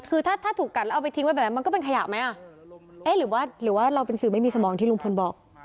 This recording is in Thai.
คือถ้าถูกกันแล้วเอาไปทิ้งไว้แบบนั้นมันก็เป็นขยะไหมหรือว่าเราเป็นสื่อไม่มีสมองที่ลุงพลบอก